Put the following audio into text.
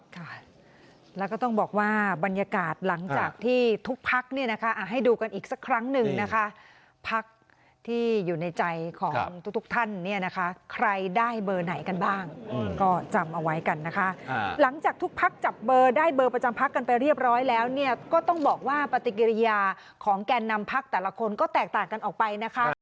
ค่ะแล้วก็ต้องบอกว่าบรรยากาศหลังจากที่ทุกพักเนี่ยนะคะให้ดูกันอีกสักครั้งหนึ่งนะคะพักที่อยู่ในใจของทุกท่านเนี่ยนะคะใครได้เบอร์ไหนกันบ้างก็จำเอาไว้กันนะคะหลังจากทุกพักจับเบอร์ได้เบอร์ประจำพักกันไปเรียบร้อยแล้วเนี่ยก็ต้องบอกว่าปฏิกิริยาของแกนนำพักแต่ละคนก็แตกต่างกันออกไปนะคะ